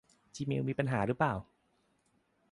จีเมลมีปัญหาหรือเปล่า